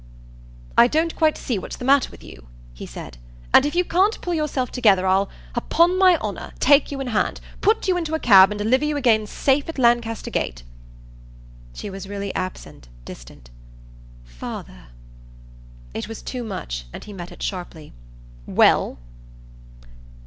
"I don't quite see what's the matter with you," he said, "and if you can't pull yourself together I'll upon my honour take you in hand. Put you into a cab and deliver you again safe at Lancaster Gate." She was really absent, distant. "Father." It was too much, and he met it sharply. "Well?"